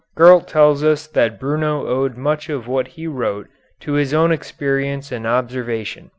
Gurlt tells us that Bruno owed much of what he wrote to his own experience and observation.